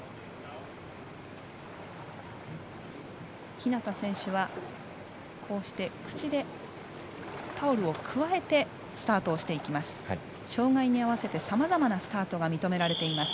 日向選手は口でタオルをくわえてスタートしていきます。